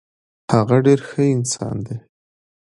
هغه ډیر ښه انسان دی.